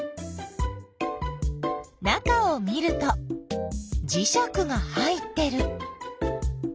中を見るとじしゃくが入ってる。